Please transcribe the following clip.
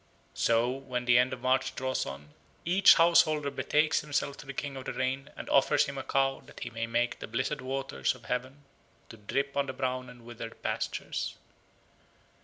So, when the end of March draws on, each householder betakes himself to the King of the Rain and offers him a cow that he may make the blessed waters of heaven to drip on the brown and withered pastures.